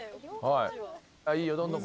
いいよどんどん。